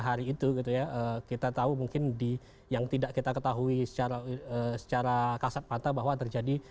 hari itu gitu ya kita tahu mungkin di yang tidak kita ketahui secara secara kasat mata bahwa terjadi